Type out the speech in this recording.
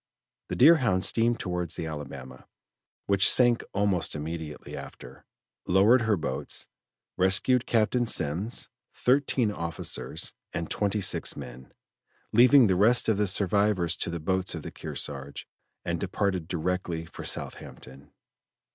The Deerhound steamed towards the Alabama, which sank almost immediately after, lowered her boats, rescued Captain Semmes, thirteen officers, and twenty six men, leaving the rest of the survivors to the boats of the Kearsarge, and departed directly for Southampton.